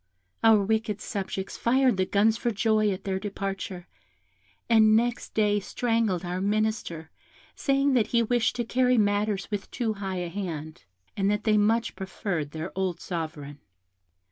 Our wicked subjects fired the guns for joy at their departure, and next day strangled our minister, saying that he wished to carry matters with too high a hand, and that they much preferred their old Sovereign.